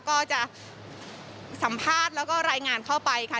ก็จะสัมภาษณ์แล้วก็รายงานเข้าไปค่ะ